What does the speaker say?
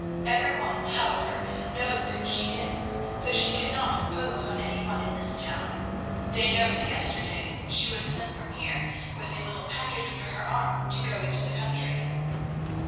Every one, however, knows who she is, so she cannot impose on any one in this town. They know that yesterday she was sent from here with a little package under her arm, to go into the country."